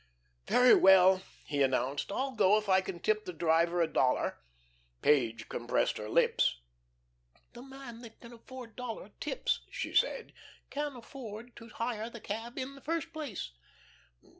"Very well," he announced, "I'll go if I can tip the driver a dollar." Page compressed her lips. "The man that can afford dollar tips," she said, "can afford to hire the cab in the first place."